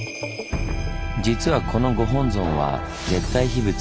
実はこのご本尊は絶対秘仏。